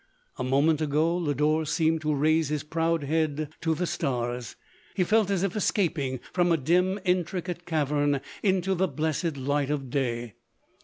A moment ago, Lodore seemed to raise bis proud head to the stars : he felt as if escaping from a dim, intricate cavern, into the blessed light of day.